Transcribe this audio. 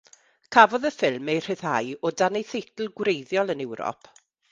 Cafodd y ffilm ei rhyddhau o dan ei theitl gwreiddiol yn Ewrop.